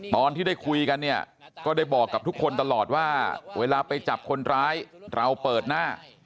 ตอนที่ได้คุยกันเนี่ยก็ได้บอกกับทุกคนตลอดว่าเวลาไปจับคนร้ายเราเปิดหน้า